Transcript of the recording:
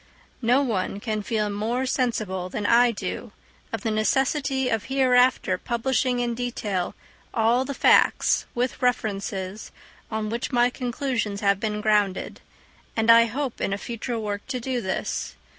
No one can feel more sensible than I do of the necessity of hereafter publishing in detail all the facts, with references, on which my conclusions have been grounded; and I hope in a future work to do this.